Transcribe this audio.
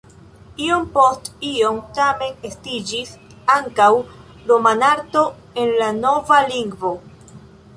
Iom post iom tamen estiĝis ankaŭ romanarto en la nova lingvo.